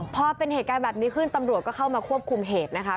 พอเป็นเหตุการณ์แบบนี้ขึ้นตำรวจก็เข้ามาควบคุมเหตุนะคะ